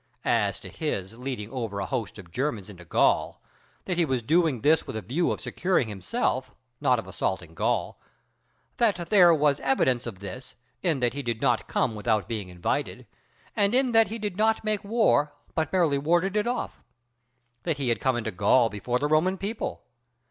As to his leading over a host of Germans into Gaul, that he was doing this with a view of securing himself, not of assaulting Gaul: that there was evidence of this, in that he did not come without being invited, and in that he did not make war, but merely warded it off. That he had come into Gaul before the Roman people.